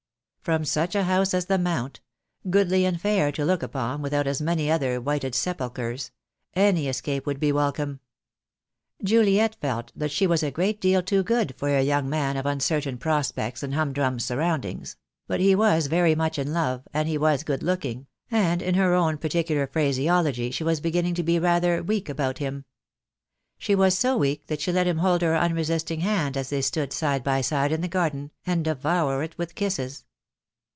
From such a house as the Mount — goodly and fair to look upon without as many other whited sepulchres — any escape would be welcome. Juliet felt that she was a great deal too good for a young man of uncertain pro spects and humdrum surroundings; but he was very much in love, and he was good looking, and in her own parti 236 THE DAY WILL COME. cular phraseology she was beginning to be rather weak about him. She was so weak that she let him hold her unresisting hand as they stood side by side in the garden, and devour it with kisses.